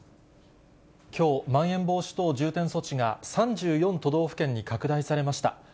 きょう、まん延防止等重点措置が３４都道府県に拡大されました。